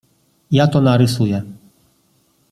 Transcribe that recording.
Ja to narysuje.